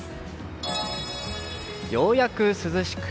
ようやく涼しく。